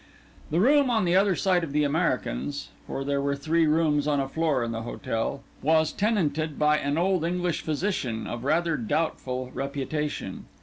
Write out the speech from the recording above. The room on the other side of the American's—for there were three rooms on a floor in the hotel—was tenanted by an old English physician of rather doubtful reputation.